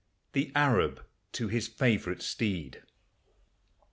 THE ARAB TO HIS FAVORITE STEED.